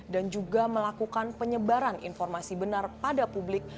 dan juga melakukan penyebaran informasi benar pada publik